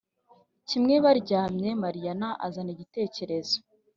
kimwe baryamye Mariyana azana igitekerezo